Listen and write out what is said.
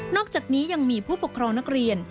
อกจากนี้ยังมีผู้ปกครองนักเรียน